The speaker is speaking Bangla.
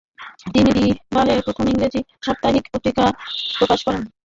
তিনি বিহারে প্রথম ইংরাজী সাপ্তাহিক পত্রিকা "বিহার হেরল্ড" প্রকাশ করেন।